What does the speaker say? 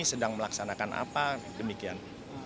sedang melaksanakan apa demikian